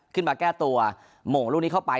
ขึ้นมาแก้ตัวโหมลูกนี้เข้าไป